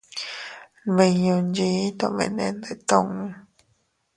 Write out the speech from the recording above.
Nmiñu nchii tomene ndetun.